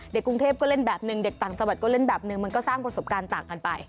กรุงเทพก็เล่นแบบหนึ่งเด็กต่างสวัสดิก็เล่นแบบนึงมันก็สร้างประสบการณ์ต่างกันไป